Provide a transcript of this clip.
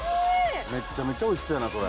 めっちゃめちゃおいしそうやなそれ。